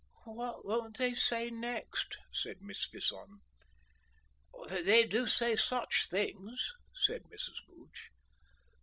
"What won't they say next?" said Miss Fison. "They do say such things!" said Mrs. Booch.